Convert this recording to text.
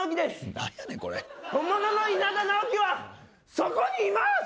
何やねんこれ本物の稲田直樹はそこにいます！